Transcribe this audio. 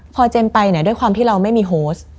พอเจนไปด้วยความที่เราไม่มีโฮส